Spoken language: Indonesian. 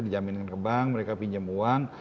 dijaminkan ke bank mereka pinjam uang